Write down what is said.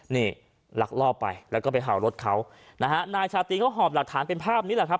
นี่ลักลอบไปแล้วก็ไปเห่ารถเขานะฮะนายชาตรีเขาหอบหลักฐานเป็นภาพนี้แหละครับ